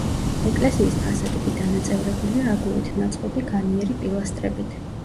ეკლესიის ფასადები დანაწევრებულია აგურით ნაწყობი განიერი პილასტრებით.